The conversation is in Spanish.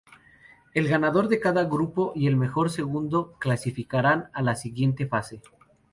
El ganador de cada grupo y el mejor segundo, clasificarán a la siguiente fase.